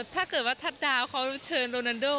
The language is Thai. ถ้าเกิดตราบเขาเชิญโรนาโด